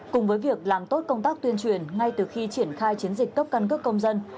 cùng với việc làm tốt công tác tuyên truyền ngay từ khi triển khai chiến dịch cấp căn cước công dân